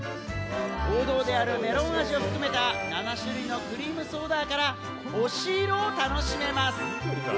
王道であるメロン味を含めた７種類のクリームソーダから推し色を楽しめます。